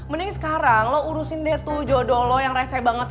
mending sekarang lo urusin deh tuh jodoh lo yang reseh banget